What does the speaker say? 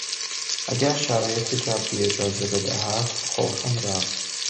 اگر شرایط جوی اجازه بدهد خواهم رفت.